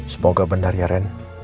semoga benar ya ren